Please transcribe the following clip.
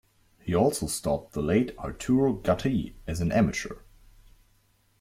He also stopped the late Arturo Gatti as an amateur.